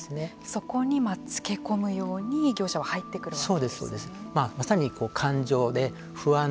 そこにつけ込むように業者は入ってくるわけですね。